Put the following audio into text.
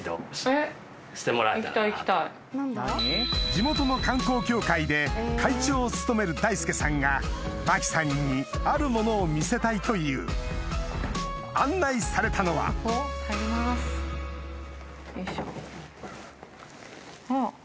地元の観光協会で会長を務める大佐さんが麻貴さんにあるものを見せたいという案内されたのはよいしょあっ。